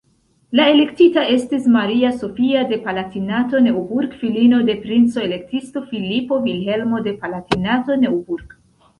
La elektita estis Maria Sofia de Palatinato-Neuburg, filino de princo-elektisto Filipo Vilhelmo de Palatinato-Neuburg.